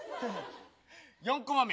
４コマ目。